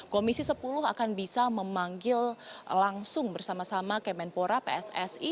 komisi sepuluh akan bisa memanggil langsung bersama sama kemenpora pssi